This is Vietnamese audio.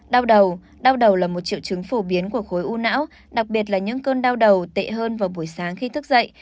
đau đầu đau đầu là một triệu chứng phổ biến của khối u não đặc biệt là những cơn đau đầu tệ hơn vào buổi sáng khi thức dậy